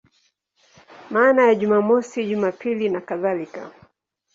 Maana ya Jumamosi, Jumapili nakadhalika.